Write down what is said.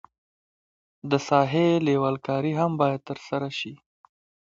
د ساحې لیول کاري هم باید ترسره شي